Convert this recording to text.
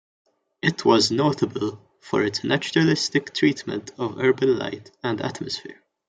It was notable for its naturalistic treatment of urban light and atmosphere.